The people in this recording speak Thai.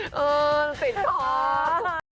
เออศีลพอ